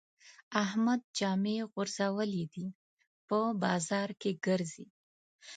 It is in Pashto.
احمد جامې غورځولې دي؛ په بازار کې ګرځي.